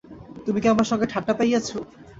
তুমি কি আমার সঙ্গে ঠাট্টা পাইয়াছ!